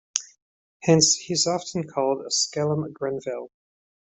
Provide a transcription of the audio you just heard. Hence he is often called skellum Grenville.